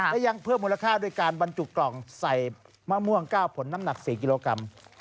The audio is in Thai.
และยังเพิ่มมูลค่าด้วยการบรรจุกล่องใส่มะม่วง๙ผลน้ำหนัก๔กิโลกรัม